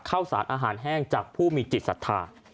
ข้าวสารอาหารแห้งจากผู้มีจิตศรัทธา